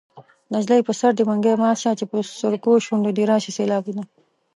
نجلۍ په سر دې منګی مات شه چې په سرکو شونډو دې راشي سېلابونه